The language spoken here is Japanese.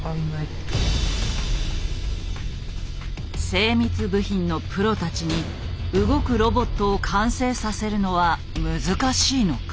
精密部品のプロたちに動くロボットを完成させるのは難しいのか？